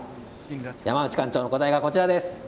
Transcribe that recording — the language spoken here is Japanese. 山内館長の答えが、こちらです。